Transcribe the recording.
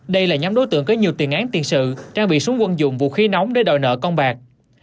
đây là nhóm đối tượng có nhiều tiền án tiền sự trang bị súng quân dụng vũ khí nóng để đòi nợ công bạc